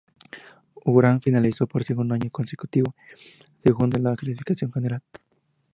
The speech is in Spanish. Urán finalizó, por segundo año consecutivo, segundo en la clasificación general.